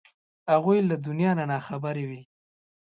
هغوی له دنیا نه نا خبرې وې.